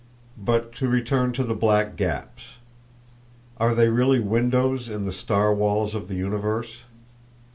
But to return to the black gaps. Are they really windows in the star walls of the universe?